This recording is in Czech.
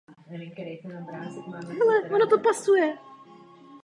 Zároveň začínají rozumět obecným hodnotám a morálce.